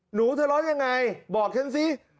หนูเธอร้อนยังไงบอกแน่นซิ